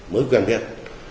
mới quen biết